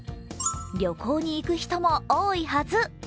旅行に行く人も多いはず。